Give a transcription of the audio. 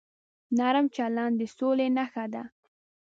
نرم چلند د سولې نښه ده.